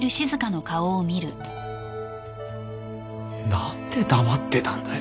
なんで黙ってたんだよ。